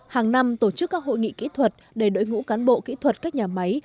hàng năm tổ chức các hội nghị kỹ thuật để đội ngũ cán bộ kỹ thuật các nhà máy